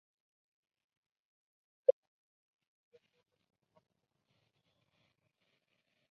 La playa, el destino final propuesto, aparece por primera vez.